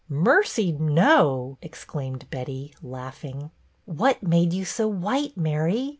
" Mercy, no !" exclaimed Betty, laughing. " What made you so white, Mary